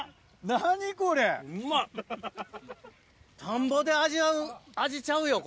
田んぼで味わう味ちゃうよ